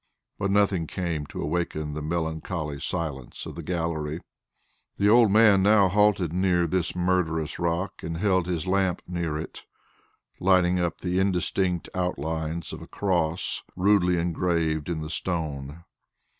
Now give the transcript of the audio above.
But nothing came to awaken the melancholy silence of the gallery. The old man now halted near this murderous rock and held his lamp near it, lighting up the indistinct outlines of a cross rudely engraved in the stone.